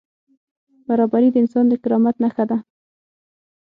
برابري د انسان د کرامت نښه ده.